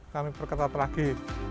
kami perketat lagi